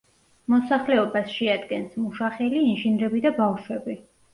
მოსახლეობას შეადგენს მუშახელი, ინჟინრები და ბავშვები.